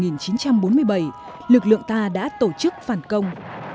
năm một nghìn chín trăm bốn mươi bảy lực lượng ta đã tổ chức phản công